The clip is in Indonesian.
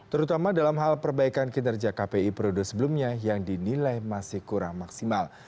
terutama dalam hal perbaikan kinerja kpi produk sebelumnya yang dinilai masih kurang maksimal